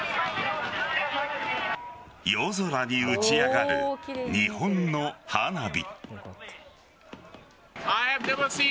夜空に打ち上がる日本の花火。